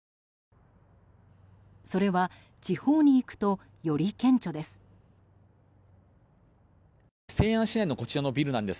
それは地方に行くとより顕著です。